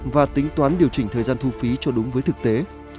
và tính toán điều chỉnh thời gian thu phí cho đúng với thực tế